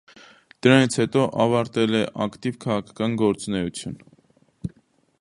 Դրանից հետո ավարտել է ակտիվ քաղաքական գործունեությունը։